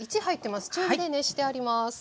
中火で熱してあります。